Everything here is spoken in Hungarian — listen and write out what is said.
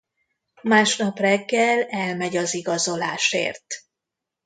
Másnap reggel elmegy az igazolásért.